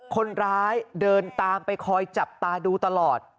คนร้ายเดินตามไปคอยจับตาดูตลอด